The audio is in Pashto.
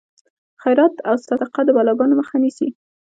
خیرات او صدقه د بلاګانو مخه نیسي.